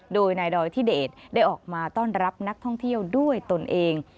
โดยนายดอยทิเดชได้ออกมาต้อนรับนักท่องเที่ยวด้วยตนเอง